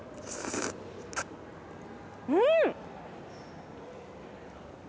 うん！